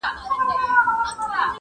چي به مو ژغوري له بلاګانو-